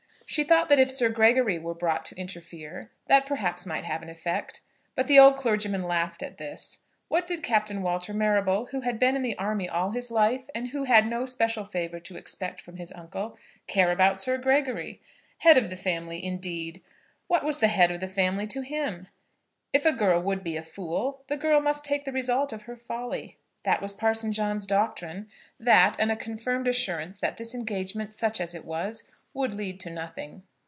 She thought that if Sir Gregory were brought to interfere, that perhaps might have an effect; but the old clergyman laughed at this. What did Captain Walter Marrable, who had been in the army all his life, and who had no special favour to expect from his uncle, care about Sir Gregory? Head of the family, indeed! What was the head of the family to him? If a girl would be a fool, the girl must take the result of her folly. That was Parson John's doctrine, that and a confirmed assurance that this engagement, such as it was, would lead to nothing.